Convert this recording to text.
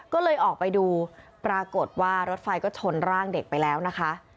ก็เลยออกไปดูปรากฏว่ารถไฟก็ชนร่างเด็กไปแล้วนะคะ